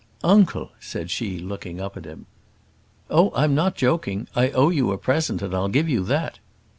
"Uncle!" said she, looking up at him. "Oh, I'm not joking; I owe you a present, and I'll give you that."